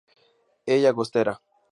E. Llagostera.